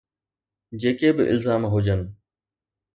جيڪي به الزام هجن.